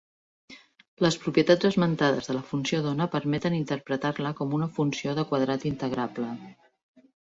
Les propietats esmentades de la funció d'ona permeten interpretar-la com una funció de quadrat integrable.